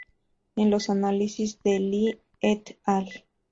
En los análisis de Li "et al.